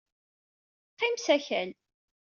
Qqim s akal.